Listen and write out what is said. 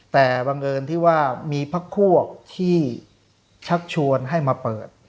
แต่บังเอิญที่ว่ามีพักพวกที่ชักชวนให้มาเปิด